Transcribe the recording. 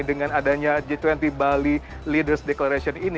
dengan adanya g dua puluh bali leaders declaration ini